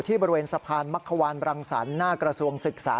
บริเวณสะพานมักขวานบรังสรรค์หน้ากระทรวงศึกษา